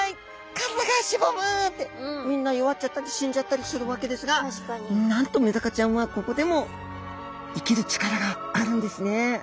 体がしぼむ！」ってみんな弱っちゃったり死んじゃったりするわけですがなんとメダカちゃんはここでも生きる力があるんですね。